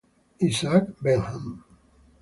Isaac Bentham